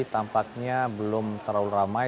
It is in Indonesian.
tampaknya belum terlalu ramai